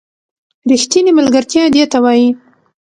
ریښتینې ملگرتیا دې ته وايي